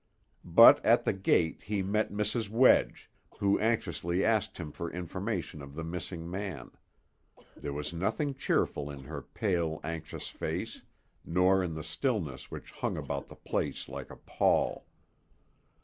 But at the gate he met Mrs. Wedge, who anxiously asked him for information of the missing man; there was nothing cheerful in her pale, anxious face, nor in the stillness which hung about the place like a pall.